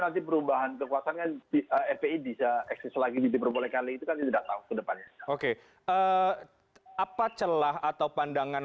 apa celah atau pandangan